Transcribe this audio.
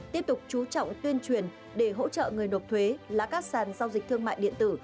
tiếp tục chú trọng tuyên truyền để hỗ trợ người nộp thuế là các sàn giao dịch thương mại điện tử